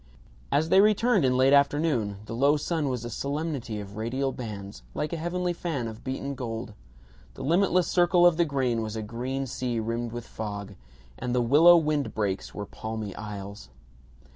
As they returned in late afternoon the low sun was a solemnity of radial bands, like a heavenly fan of beaten gold; the limitless circle of the grain was a green sea rimmed with fog, and the willow wind breaks were palmy isles.